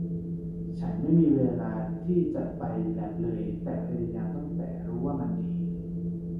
ฉันไม่มีเวลาที่จะไปแลปเลยแต่พยายามตั้งแต่รู้ว่ามันดี